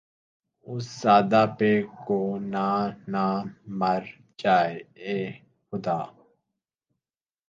اس سادہ پہ کونہ نہ مر جائے اے خدا